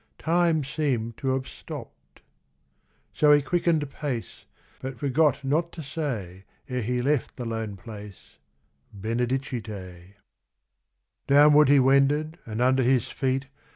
Time seemed to have stopped. So he quickened pace. But forgot not to say ere he left the lone place, Benedicite. XIII Downward he wended, and under his feet.